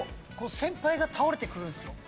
先輩が倒れてくるんですよ。